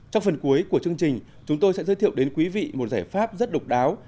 trong phần cuối của chương trình chúng tôi sẽ giới thiệu đến quý vị một giải pháp rất độc đáo